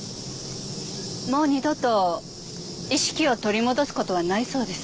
もう二度と意識を取り戻す事はないそうです。